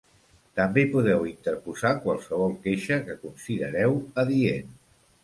També podeu interposar qualsevol queixa que considereu adient.